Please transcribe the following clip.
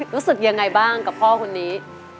รู้สึกยังไงบ้างกับพ่อคนนี้